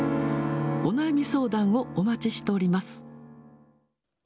お悩み相談をお待ちしております。